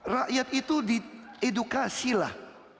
rakyat itu diedukasilah